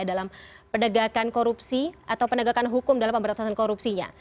dalam penegakan korupsi atau penegakan hukum dalam pemberantasan korupsinya